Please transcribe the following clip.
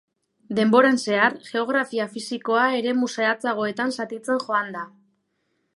Denboran zehar, geografia fisikoa eremu zehatzagoetan zatitzen joan da.